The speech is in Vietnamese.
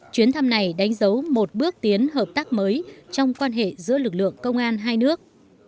chuyến thăm này đánh dấu một bước tiến hợp tác mới trong quan hệ giữa lực lượng công an hai nước